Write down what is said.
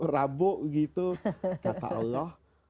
rabuk gitu kata allah